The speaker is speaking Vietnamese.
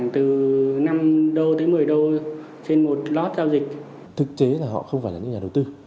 thực chế là họ không phải là những nhà đầu tư